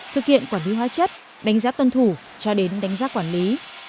thực hiện quản lý hóa chất đánh giá tuân thủ cho đến đánh giá quản lý